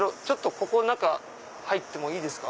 ここ中入ってもいいですか？